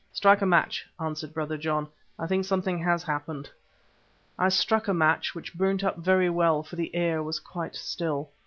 "Strike a match," answered Brother John; "I think something has happened." I struck a match, which burnt up very well, for the air was quite still.